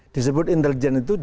disebut intelijen itu jauh